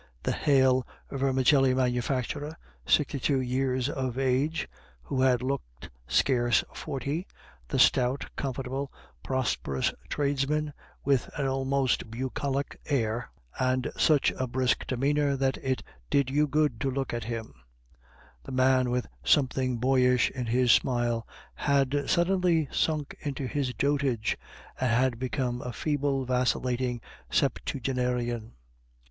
The hale vermicelli manufacturer, sixty two years of age, who had looked scarce forty, the stout, comfortable, prosperous tradesman, with an almost bucolic air, and such a brisk demeanor that it did you good to look at him; the man with something boyish in his smile, had suddenly sunk into his dotage, and had become a feeble, vacillating septuagenarian.